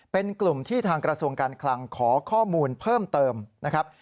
เป็นกลุ่มที่ทางกระทรวงการคลังขอข้อมูลเพิ่มเติมนะครับ